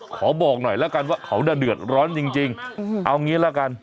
ขอบอกหน่อยแล้วกันว่าเขาเดือดร้อนจริงเอางี้ละกัน